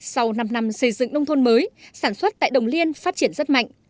sau năm năm xây dựng nông thôn mới sản xuất tại đồng liên phát triển rất mạnh